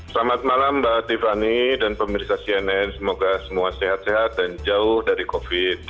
selamat malam mbak tiffany dan pemirsa cnn semoga semua sehat sehat dan jauh dari covid